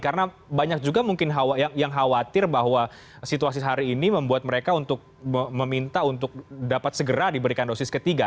karena banyak juga mungkin yang khawatir bahwa situasi hari ini membuat mereka untuk meminta untuk dapat segera diberikan doksis ketiga